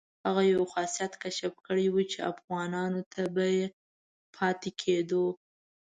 هغه یو خاصیت کشف کړی وو چې افغانانو ته نه پاتې کېدو.